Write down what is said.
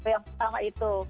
yang pertama itu